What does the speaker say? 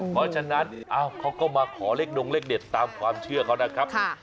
เพราะฉะนั้นเขาก็มาขอเลขดงเลขเด็ดตามความเชื่อเขานะครับ